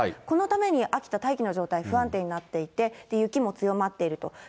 このために秋田、大気の状態、不安定になっていて、雪も強まっていると。